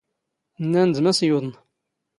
ⵏⵏⴰⵏ ⴷ ⵎⴰⵙ ⵢⵓⴹⵏ.